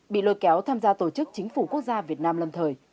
bị lôi kéo tham gia tổ chức chính phủ quốc gia việt nam lâm thời